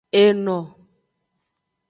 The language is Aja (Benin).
Eno.